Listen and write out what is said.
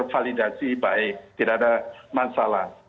validasi baik tidak ada masalah